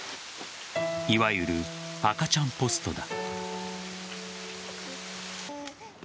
いわゆる赤ちゃんポストだ。